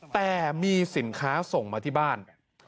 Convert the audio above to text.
แต่มีสินค้าส่งมาที่บ้าน